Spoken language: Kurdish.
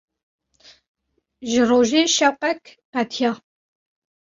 Ji rojê şewqek qetiya.